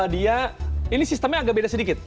dia ini sistemnya agak beda sedikit